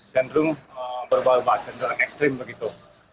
jenderal berubah ubah jenderal ekstrim begitu